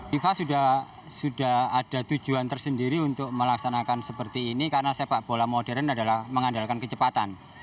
fifa sudah ada tujuan tersendiri untuk melaksanakan seperti ini karena sepak bola modern adalah mengandalkan kecepatan